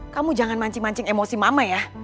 kamu jangan mancing mancing emosi mama ya